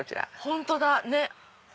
本当だね。